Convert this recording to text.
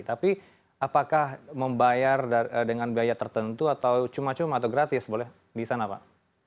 tapi apakah membayar dengan biaya tertentu atau cuma cuma atau gratis boleh di sana pak